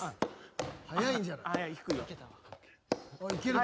速いんじゃない？低いよ。